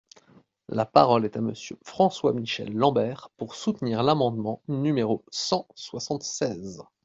La parole est à Monsieur François-Michel Lambert, pour soutenir l’amendement numéro cent soixante-seize.